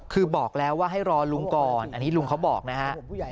คือบอกแล้วว่าให้รอลุงก่อนอันนี้ลุงเขาบอกนะฮะ